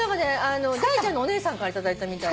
ダイちゃんのお姉さんから頂いたみたい。